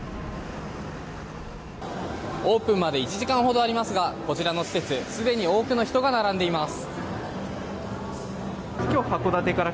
オープンまで１時間ほどありますがこちらの施設、すでに多くの人が並んでいます。